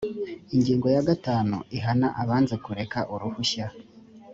ingingo yagatanu ihana abanze kureka uruhushya.